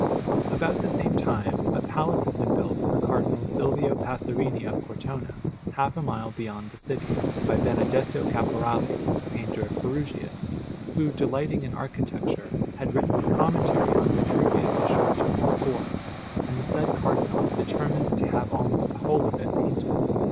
About the same time a palace had been built for Cardinal Silvio Passerini of Cortona, half a mile beyond the city, by Benedetto Caporali, a painter of Perugia, who, delighting in architecture, had written a commentary on Vitruvius a short time before; and the said Cardinal determined to have almost the whole of it painted.